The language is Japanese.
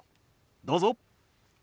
どうぞ。